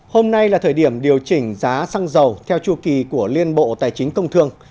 hôm nay là thời điểm điều chỉnh giá xăng dầu theo chu kỳ của liên bộ tài chính công thương